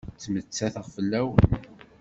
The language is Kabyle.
Ttmettateɣ fell-awen.